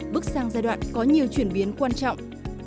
bước sang giai đoạn có nhiều chuyển biến quan trọng